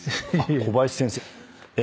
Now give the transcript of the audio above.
小林先生。